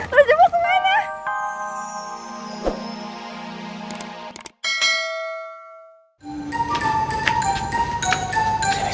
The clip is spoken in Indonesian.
raja mau kemana